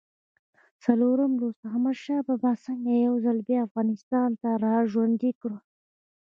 څلورم لوست: احمدشاه بابا څنګه یو ځل بیا افغانستان را ژوندی کړ؟